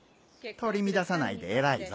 取り乱さないで偉いぞ。